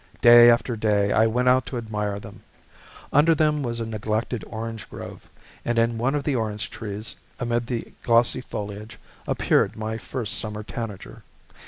Day after day I went out to admire them. Under them was a neglected orange grove, and in one of the orange trees, amid the glossy foliage, appeared my first summer tanager.